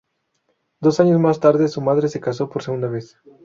Dos años más tarde su madre se casó por segunda vez.